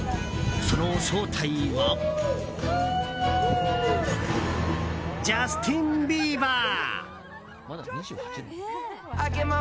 その正体はジャスティン・ビーバー。